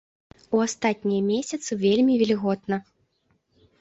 У астатнія месяцы вельмі вільготна.